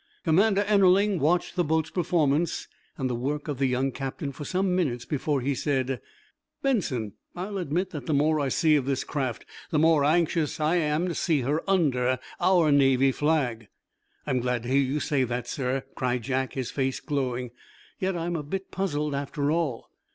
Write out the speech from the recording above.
Commander Ennerling watched the boat's performance, and the work of the young captain for some minutes before he said: "Benson, I'll admit that the more I see of this craft the more anxious I am to see her under our Navy flag." "I'm glad to hear you say that, sir," cried Jack, his face glowing. "Yet I'm a bit puzzled, after all."